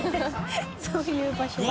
そういう場所